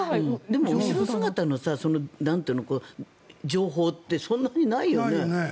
でも後ろ姿の情報ってそんなにないよね？